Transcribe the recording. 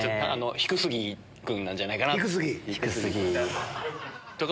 低杉君なんじゃないかな。